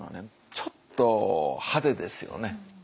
ちょっと派手ですよね。